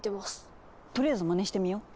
とりあえずまねしてみよう。